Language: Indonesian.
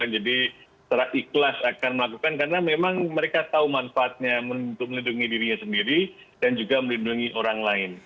jadi secara ikhlas akan melakukan karena memang mereka tahu manfaatnya untuk melindungi dirinya sendiri dan juga melindungi orang lain